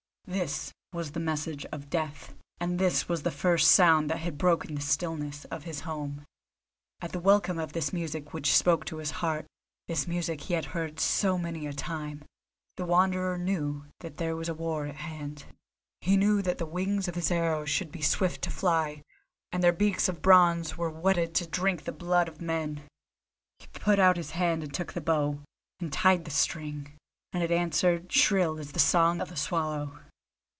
This was the message of Death, and this was the first sound that had broken the stillness of his home. At the welcome of this music which spoke to his heart—this music he had heard so many a time—the Wanderer knew that there was war at hand. He knew that the wings of his arrows should be swift to fly, and their beaks of bronze were whetted to drink the blood of men. He put out his hand and took the bow, and tried the string, and it answered shrill as the song of the swallow.